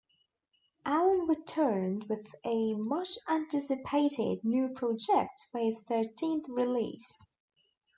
Allen returned with a much anticipated new project for his thirteenth release.